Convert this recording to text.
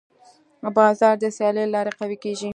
بازار د سیالۍ له لارې قوي کېږي.